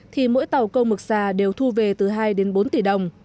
thì mỗi tàu câu mực xà đều thu về từ hai đến bốn tỷ đồng